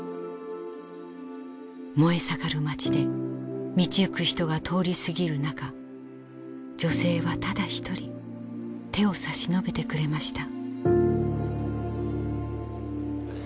燃え盛る町で道行く人が通り過ぎる中女性はただ一人手を差し伸べてくれました。